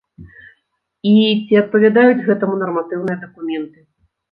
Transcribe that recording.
І ці адпавядаюць гэтаму нарматыўныя дакументы.